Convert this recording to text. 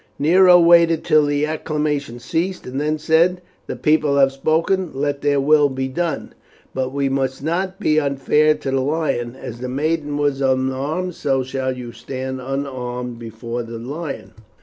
Nero waited till the acclamation ceased, and then said: "The people have spoken, let their will be done. But we must not be unfair to the lion; as the maiden was unarmed so shall you stand unarmed before the lion."